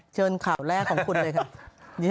เชิญข่าวแรกของคุณเลยครับ